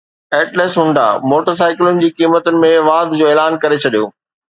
atlas Honda motor سائيڪلن جي قيمتن ۾ واڌ جو اعلان ڪري ڇڏيو